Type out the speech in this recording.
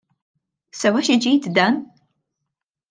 Sewa xi ġid dan?